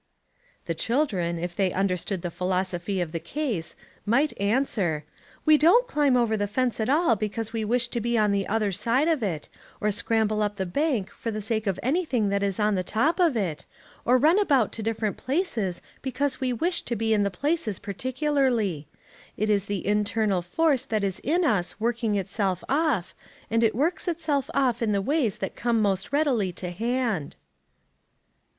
The children, if they understood the philosophy of the case, might answer, "We don't climb over the fence at all because we wish to be on the other side of it; or scramble up the bank for the sake of any thing that is on the top of it; or run about to different places because we wish to be in the places particularly. It is the internal force that is in us working itself off, and it works itself off in the ways that come most readily to hand."